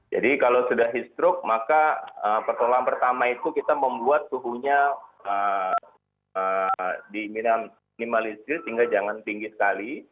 jadi kalau sudah heat stroke maka pertolongan pertama itu kita membuat suhunya di minimal listrik sehingga jangan tinggi sekali